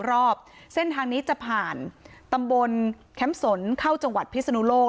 รอบเส้นทางนี้จะผ่านตำบลแคมป์สนเข้าจังหวัดพิศนุโลก